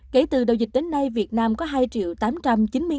kể từ đầu dịch đến nay việt nam có hai tám trăm chín mươi hai trăm linh ca